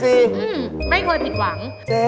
อื้มไม่เคยผิดหวัง